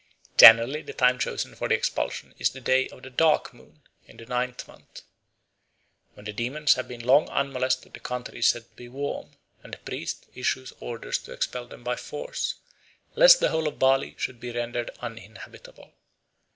Generally the time chosen for the expulsion is the day of the "dark moon" in the ninth month. When the demons have been long unmolested the country is said to be "warm," and the priest issues orders to expel them by force, lest the whole of Bali should be rendered uninhabitable.